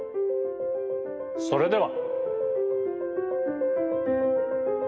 それでは。